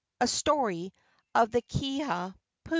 a story of the kiha pu.